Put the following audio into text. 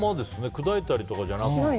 砕いたりとかじゃなく。